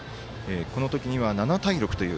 この時には７対６という